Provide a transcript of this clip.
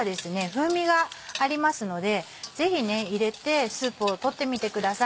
風味がありますのでぜひ入れてスープを取ってみてください。